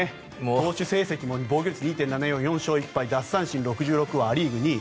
投手成績も防御率２．７４４勝１敗、奪三振６６はア・リーグ２位。